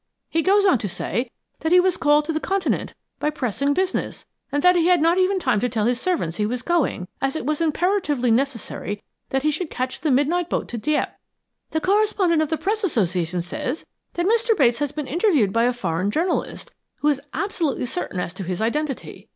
He goes on to say that he was called to the Continent by pressing business, and that he had not even time to tell his servants he was going, as it was imperatively necessary that he should catch the midnight boat to Dieppe. The correspondent of the Press Association says that Mr. Bates has been interviewed by a foreign journalist, who is absolutely certain as to his identity.